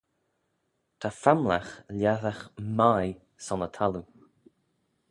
Ta famlagh lhassagh mie son y thalloo.